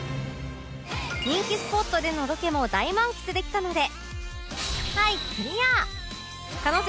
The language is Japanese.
人気スポットでのロケも大満喫できたので